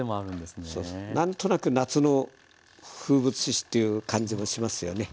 そうそう何となく夏の風物詩という感じもしますよね。